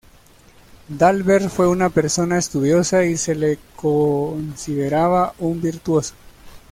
D’Albert fue una persona estudiosa y se le consideraba un virtuoso.